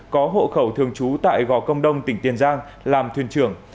có hộ khẩu thường trú tại gò công đông tỉnh tiền giang làm thuyền trưởng